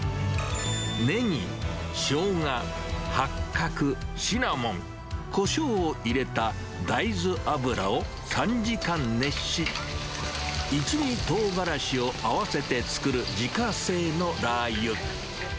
ネギ、ショウガ、八角、シナモン、こしょうを入れた大豆油を３時間熱し、一味とうがらしを合わせて作る自家製のラー油。